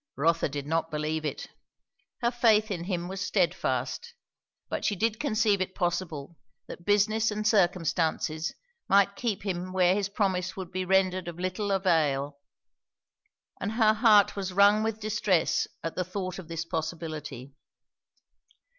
Rotha did not believe it; her faith in him was steadfast; but she did conceive it possible that business and circumstances might keep him where his promise would be rendered of little avail; and her heart was wrung with distress at the thought of this possibility.